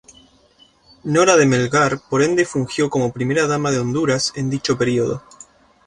Nora de Melgar, por ende fungió como Primera Dama de Honduras en dicho periodo.